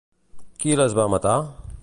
Qui les va matar?